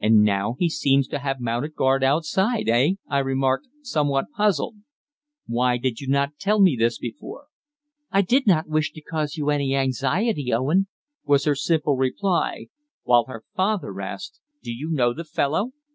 "And now he seems to have mounted guard outside, eh?" I remarked, somewhat puzzled. "Why did you not tell me this before?" "I did not wish to cause you any anxiety, Owen," was her simple reply, while her father asked "Do you know the fellow?